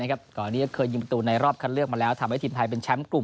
ก่อนนี้เคยหยิมตัวรอบขั้นเลือกมาแล้วทำให้ทีมไทยเป็นแชมป์กลุ่ม